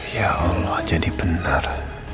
ya allah jadi benar